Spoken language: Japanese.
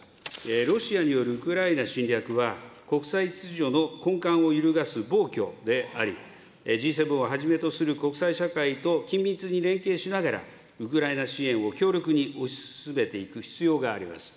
ロシアによるウクライナ侵略は、国際秩序の根幹を揺るがす暴挙であり、Ｇ７をはじめとする国際社会と緊密に連携しながら、ウクライナ支援を強力に推し進めていく必要があります。